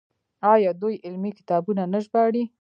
آیا دوی علمي کتابونه نه ژباړي؟